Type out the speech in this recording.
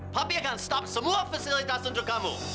papi akan berhenti semua fasilitas untuk kamu